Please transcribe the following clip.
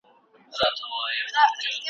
خو تقصیر په بېتقصیرو لکه تل ږدي.